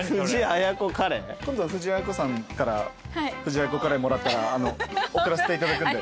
今度藤あや子さんから藤あや子カレーもらったら送らせていただくんで。